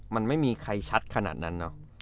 มันไม่มีใครชัดขนาดนั้นเนอะ